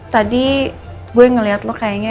tadi gue ngeliat lo kayaknya